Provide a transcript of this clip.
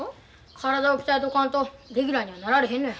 体を鍛えとかんとレギュラーにはなられへんのや。